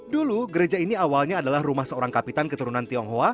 dulu gereja ini awalnya adalah rumah seorang kapitan keturunan tionghoa